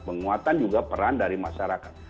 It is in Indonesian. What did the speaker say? penguatan juga peran dari masyarakat